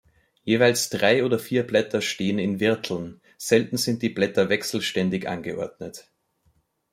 Jeweils drei oder vier Blätter stehen in Wirteln, selten sind die Blätter wechselständig angeordnet.